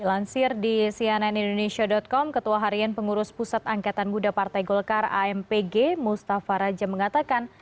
dilansir di cnn indonesia com ketua harian pengurus pusat angkatan budapartai golkar ampg mustafa raja mengatakan